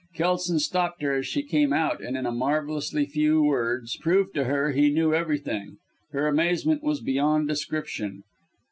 Kelson stopped her as she came out, and in a marvellously few words, proved to her that he knew everything. Her amazement was beyond description.